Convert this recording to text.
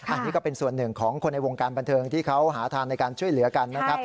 อันนี้ก็เป็นส่วนหนึ่งของคนในวงการบันเทิงที่เขาหาทางในการช่วยเหลือกันนะครับ